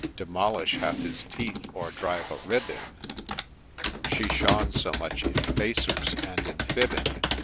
Demolish half his teeth, or drive a rib in, She shone so much in ' facers ' and in ' fibbing.'